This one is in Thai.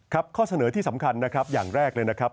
ข้อเสนอที่สำคัญนะครับอย่างแรกเลยนะครับ